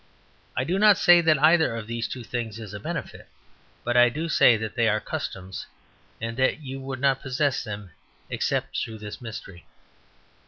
I do not say that either of these two things is a benefit; but I do say that they are customs, and that you would not possess them except through this mystery.